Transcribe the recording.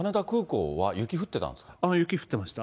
雪降ってました。